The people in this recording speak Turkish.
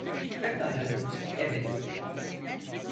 Pekala, evet.